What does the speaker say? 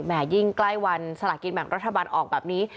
ยิ่งใกล้วันสลากินแบ่งรัฐบาลออกแบบนี้